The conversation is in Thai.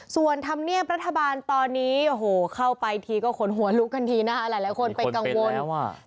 ส่วนธรรมเนียบรัฐบาลตอนนี้โอ้โหเข้าไปทีก็ขนหัวลุกกันทีนะคะหลายคนไปกังวลว่า